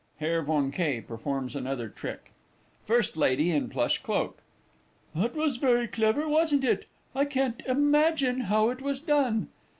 [HERR VON K. performs another trick. FIRST LADY IN PLUSH CLOAK. That was very clever, wasn't it? I can't imagine how it was done!